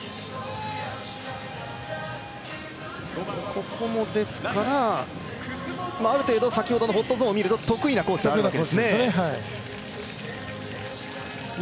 ここもある程度先ほどのホットゾーンを見ると得意なコースになるわけですね。